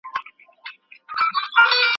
د سړک په پای کي